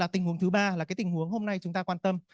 tình huống thứ ba là tình huống hôm nay chúng ta quan tâm